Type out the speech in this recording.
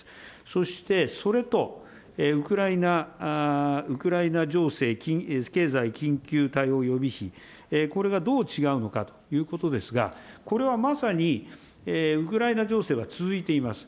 そして、それとウクライナ情勢経済緊急対応予備費、これがどう違うのかということですが、これはまさに、ウクライナ情勢は続いています。